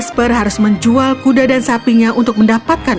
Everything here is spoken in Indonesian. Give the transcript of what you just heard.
kasper harus menjual kuda dan sapinya untuk mendapatkan uang